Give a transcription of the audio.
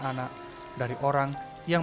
anak dari orang yang